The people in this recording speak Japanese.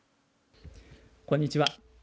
こんにちは。